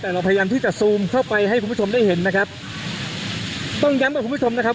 แต่เราพยายามที่จะซูมเข้าไปให้คุณผู้ชมได้เห็นนะครับต้องย้ำกับคุณผู้ชมนะครับ